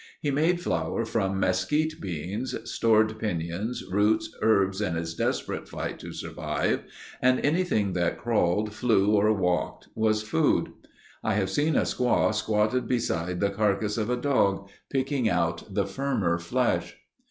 He made flour from mesquite beans; stored piñons, roots, herbs in his desperate fight to survive, and anything that crawled, flew, or walked was food. I have seen a squaw squatted beside the carcass of a dog, picking out the firmer flesh.